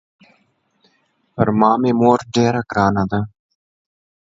پر ما مې مور ډېره ګرانه ده.